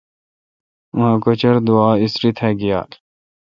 آں آ۔۔تاکچردووا، اِسری تا گیال۔